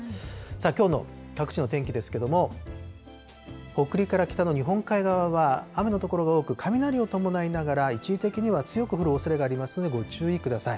きょうの各地の天気ですけれども、北陸から北の日本海側は雨の所が多く、雷を伴いながら一時的には強く降る所もありますのでご注意ください。